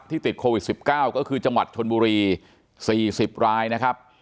ติดโควิด๑๙ก็คือจังหวัดชนบุรี๔๐รายนะครับ